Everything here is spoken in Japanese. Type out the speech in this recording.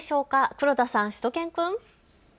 黒田さん、しゅと犬くん。